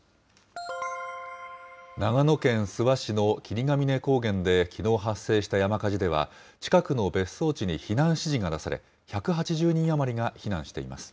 長野県諏訪市の霧ヶ峰高原できのう発生した山火事では、近くの別荘地に避難指示が出され、１８０人余りが避難しています。